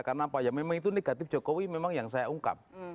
karena apa ya memang itu negatif jokowi memang yang saya ungkap